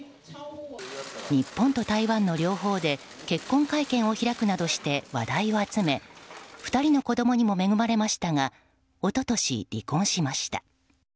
日本と台湾の両方で結婚会見を開くなどして話題を集め２人の子供にも恵まれましたが一昨年、離婚しました。